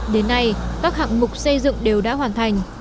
đến nay các hạng mục xây dựng đều đã hoàn thành